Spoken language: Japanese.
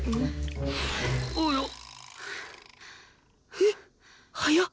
ひっ早っ！